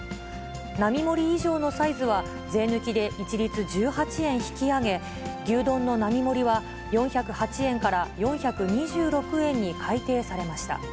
並盛以上のサイズは、税抜きで一律１８円引き上げ、牛丼の並盛は４０８円から４２６円に改定されました。